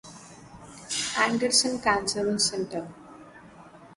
Anderson Cancer Center.